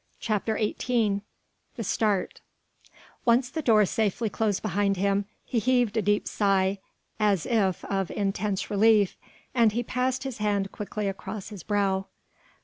CHAPTER XVIII THE START Once the door safely closed behind him, he heaved a deep sigh as if of intense relief and he passed his hand quickly across his brow.